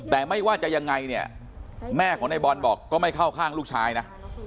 แต่ไม่ว่าจะยังไงเนี่ยแม่ของในบอลบอกก็ไม่เข้าข้างลูกชายนะ